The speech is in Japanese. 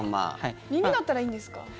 耳だったらいいんですか？